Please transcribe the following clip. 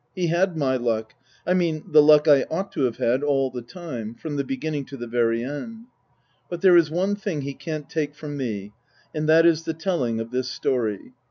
He had my luck, I mean the luck I ought to have had, all the time, from the beginning to the very end. But there is one thing he can't take from me, and that is the telling of this story.